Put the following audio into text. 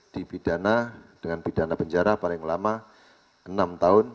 dibidana dengan bidana penjara paling lama enam tahun